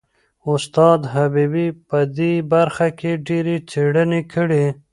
استاد حبیبي په دې برخه کې ډېرې څېړنې کړي.